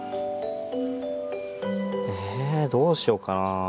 えどうしようかな。